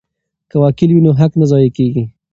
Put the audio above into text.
که وکیل وي نو حق نه ضایع کیږي.